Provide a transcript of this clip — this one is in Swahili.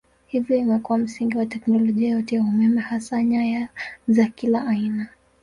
Hivyo imekuwa msingi wa teknolojia yote ya umeme hasa nyaya za kila aina.